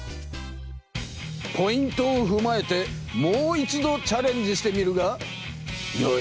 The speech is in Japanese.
ポイントをふまえてもう一度チャレンジしてみるがよい！